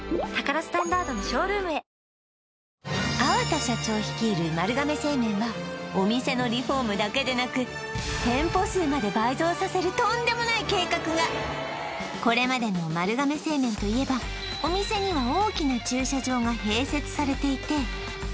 粟田社長率いる丸亀製麺はお店のリフォームだけでなく店舗数まで倍増させるとんでもない計画がこれまでの丸亀製麺といえばお店には大きな駐車場が併設されていて